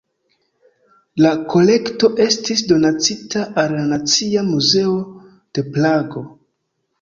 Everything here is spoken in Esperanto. La kolekto estis donacita al la Nacia Muzeo de Prago.